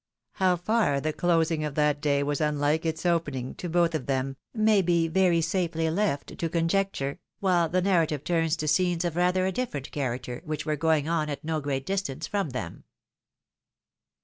How far the closing of that day was unlike its opening, to both of them, may be very safely left to con jecture; while the narrative turns to scenes of rather a different character, which were going on at no great distance from them.